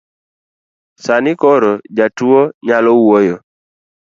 Sani koro jatuo koro nyalo wuoyo